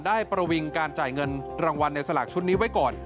ประวิงการจ่ายเงินรางวัลในสลากชุดนี้ไว้ก่อน